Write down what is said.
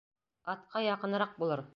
Атҡа яҡыныраҡ булыр.